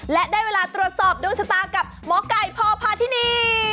และได้เวลาตรวจสอบดวงชะตากับหมอไก่พอพาทินี